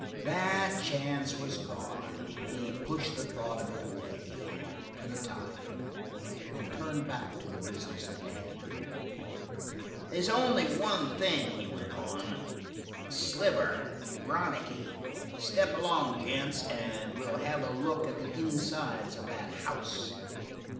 That chance was gone; he pushed the thought of it away for the time and turned back to the business at hand. "They's only one thing," he went on. "Sliver! Ronicky! Step along, gents, and we'll have a look at the insides of that house."